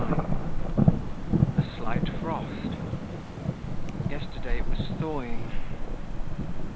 _March 29. A slight frost; yesterday it was thawing.